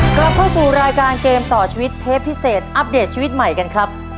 กลับเข้าสู่รายการเกมต่อชีวิตเทปพิเศษอัปเดตชีวิตใหม่กันครับ